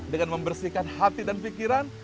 dengan membersihkan hati dan pikiran